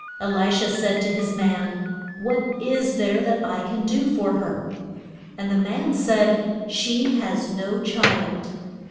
E li sha said to his man, What is there that I can do for her? And the man said, She has no child.